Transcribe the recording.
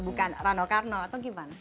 bukan rano karno atau gimana